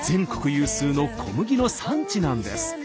有数の小麦の産地なんです。